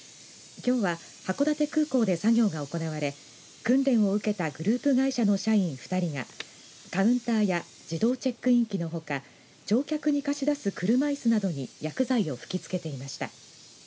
きょうは函館空港で作業が行われ訓練を受けたグループ会社の社員２人がカウンターや自動チェックイン機のほか乗客に貸し出す車いすなどに薬剤を吹きつけていました。